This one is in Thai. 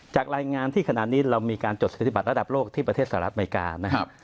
จากรายงานที่ขนาดนี้เรามีการจดศิษย์ฐิบัตรระดับโลกที่ประเทศเศรษฐ์อัตไลน์อเมซ